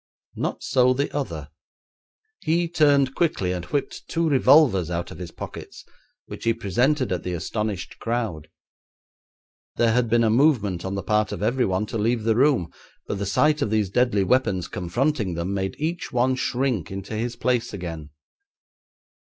Not so the other. He turned quickly, and whipped two revolvers out of his pockets, which he presented at the astonished crowd. There had been a movement on the part of every one to leave the room, but the sight of these deadly weapons confronting them made each one shrink into his place again.